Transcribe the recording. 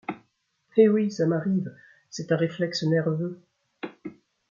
Et oui, ça m’arrive : c’est un réflexe nerveux.